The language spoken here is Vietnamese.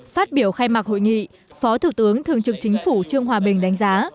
phát biểu khai mạc hội nghị phó thủ tướng thường trực chính phủ trương hòa bình đánh giá